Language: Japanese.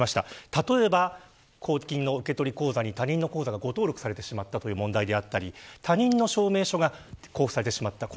例えば公金の受取口座に他人の口座が誤登録されてしまったという問題であったり他人の証明書が交付されてしまった。